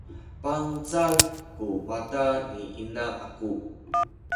bangcal ku mata ni ina aku